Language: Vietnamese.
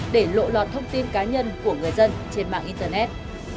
để lộ lọt thông tin cá nhân của người dân trên mạng internet